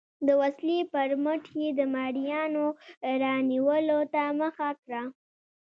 د وسلې پر مټ یې د مریانو رانیولو ته مخه کړه.